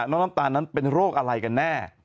น้ำตาลนั้นเป็นโรคอะไรกันแน่